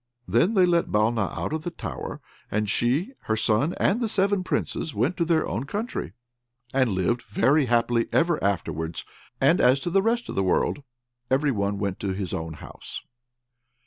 Then they let Balna out of the tower; and she, her son, and the seven Princes went to their own country, and lived very happily ever afterwards. And as to the rest of the world, every one went to his own house.